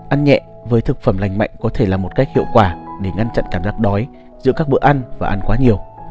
ăn nhẹ với thực phẩm lành mạnh có thể là một cách hiệu quả để ngăn chặn cảm giác đói giữa các bữa ăn và ăn quá nhiều